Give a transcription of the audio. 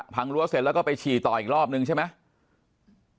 รั้วเสร็จแล้วก็ไปฉี่ต่ออีกรอบนึงใช่ไหม